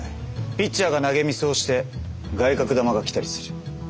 ピッチャーが投げミスをして外角球が来たりする。